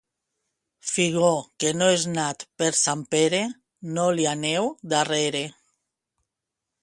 Figó que no és nat per Sant Pere no li aneu darrere.